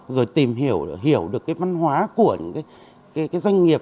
rồi tìm hiểu được cái văn hóa của những cái doanh nghiệp